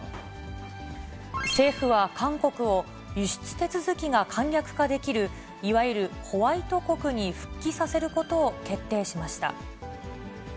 政府は韓国を、輸出手続きが簡略化できる、いわゆるホワイト国に復帰させることを決定しました。